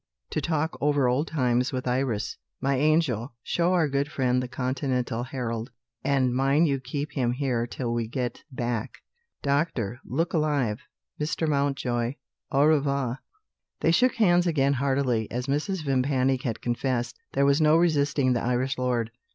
to talk over old times with Iris. My angel, show our good friend the 'Continental Herald,' and mind you keep him here till we get back. Doctor, look alive! Mr. Mountjoy, au revoir." They shook hands again heartily. As Mrs. Vimpany had confessed, there was no resisting the Irish lord.